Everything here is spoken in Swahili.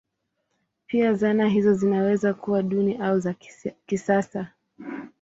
Pia zana hizo zinaweza kuwa duni au za kisasa.